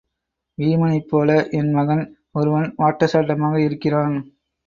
வீமனைப்போல என் மகன் ஒருவன் வாட்டசாட்டமாக இருக்கிறான்.